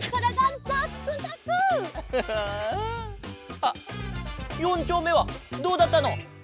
あっ４ちょうめはどうだったの？